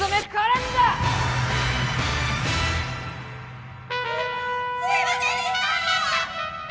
すすいませんでした！